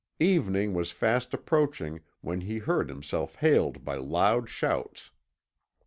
Evening was fast approaching when he heard himself hailed by loud shouts.